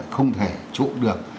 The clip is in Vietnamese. không thể trụ được